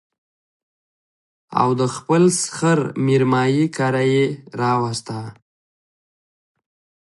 او د خپل سخر مېرمايي کره يې راوسته